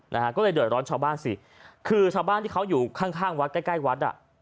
นะฮะก็เลยเดือดร้อนชาวบ้านสิคือชาวบ้านที่เขาอยู่ข้างข้างวัดใกล้ใกล้วัดอ่ะ